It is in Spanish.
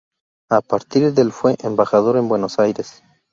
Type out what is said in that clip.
A partir del fue embajador en Buenos Aires.